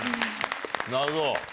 なるほど。